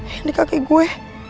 yang di kaki gue